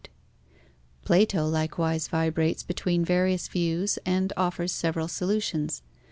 Plato likewise vibrates between various views and offers several solutions.